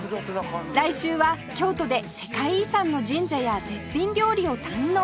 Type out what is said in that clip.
来週は京都で世界遺産の神社や絶品料理を堪能